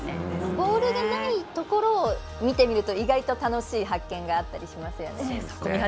ボールがないところを見てみると意外と楽しい発見があったりもしますよね。